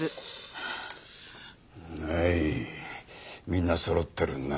みんなそろってるな。